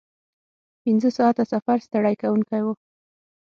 پنځه ساعته سفر ستړی کوونکی و.